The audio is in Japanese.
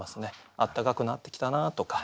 暖かくなってきたなとか。